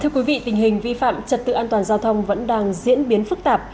thưa quý vị tình hình vi phạm trật tự an toàn giao thông vẫn đang diễn biến phức tạp